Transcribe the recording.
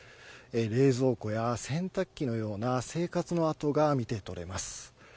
冷蔵庫や洗濯機のような生活の跡が見て取れます。